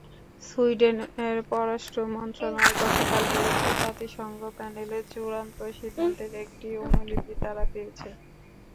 সুইডেনের পররাষ্ট্র মন্ত্রণালয় গতকাল বলেছে, জাতিসংঘ প্যানেলের চূড়ান্ত সিদ্ধান্তের একটি অনুলিপি তারা পেয়েছে।